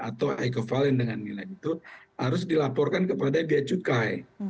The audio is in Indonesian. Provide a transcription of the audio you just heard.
atau equivalent dengan nilai itu harus dilaporkan kepada biaya cukai